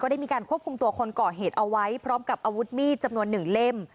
ได้มีการควบคุมตัวคนก่อเหตุเอาไว้พร้อมกับอาวุธมีดจำนวน๑เล่ม